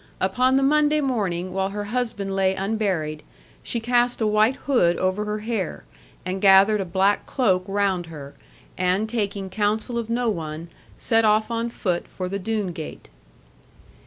Upon the Monday morning, while her husband lay unburied, she cast a white hood over her hair, and gathered a black cloak round her, and, taking counsel of no one, set off on foot for the Doone gate.